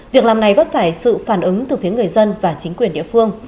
việc làm này vấp phải sự phản ứng từ phía người dân và chính quyền địa phương